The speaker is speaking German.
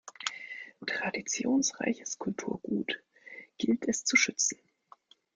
Traditionsreiches Kulturgut gilt es zu schützen.